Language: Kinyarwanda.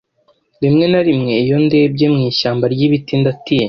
Rimwe na rimwe, iyo ndebye mu ishyamba ryibiti ndatinya